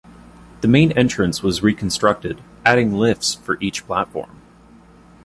The main entrance was reconstructed, adding lifts for each platform.